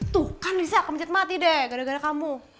tuh kan risa akan mencet mati deh gara gara kamu